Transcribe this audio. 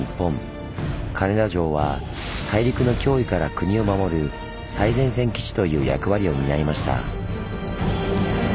金田城は大陸の脅威から国を守る最前線基地という役割を担いました。